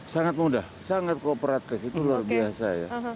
sangat mudah sangat kooperatif itu luar biasa ya